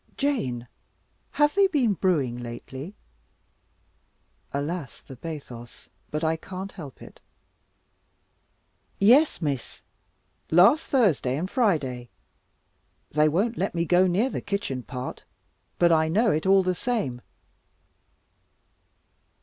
"Jane, have they been brewing lately?" Alas the bathos! But I can't help it. "Yes, Miss; last Thursday and Friday. They won't let me go near the kitchen part: but I know it all the same."